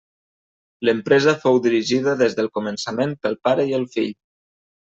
L'empresa fou dirigida des del començament pel pare i el fill.